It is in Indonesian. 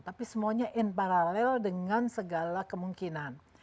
tapi semuanya in paralel dengan segala kemungkinan